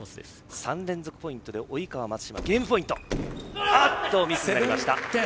３連続ポイントで及川、松島、ゲームポイント。